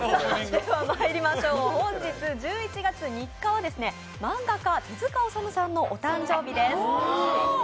では本日１１月３日は漫画家・手塚治虫さんさんのお誕生日です。